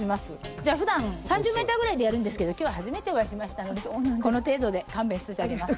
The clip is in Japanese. じゃあふだん３０メーターぐらいでやるんですけど今日は初めてお会いしましたのでこの程度で勘弁しといてあげます。